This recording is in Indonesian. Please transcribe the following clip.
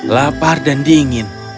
lapar dan dingin